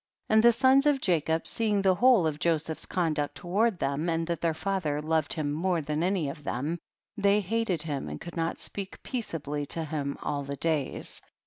8. And the sons of Jacob seeing the whole of Joseph's conduct toward them, and that their father loved him more than any of them, they hated him and could not speak peaceably to him all the days.